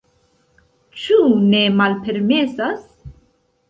Ĉu ne malpermesas?